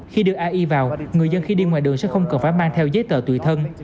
khi đưa ai vào người dân khi đi ngoài đường sẽ không cần phải mang theo giấy tờ tùy thân